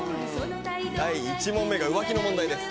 第１問目が浮気の問題です。